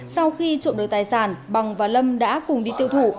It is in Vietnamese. sau khi trộm được tài sản bằng và lâm đã cùng đi tiêu thụ